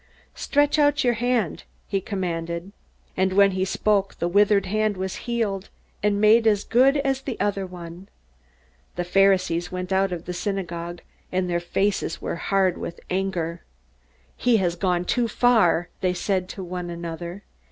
"Stretch out your hand!" he commanded. And when he spoke, the withered hand was healed, and made as good as the other one. The Pharisees went out of the synagogue, and their faces were hard with anger. "He has gone too far!" they said to one another.